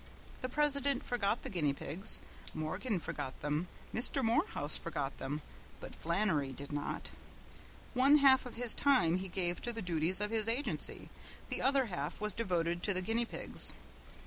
The president forgot the guinea pigs, Morgan forgot them, Mr. Morehouse forgot them, but Flannery did not. One half of his time he gave to the duties of his agency; the other half was devoted to the guinea pigs.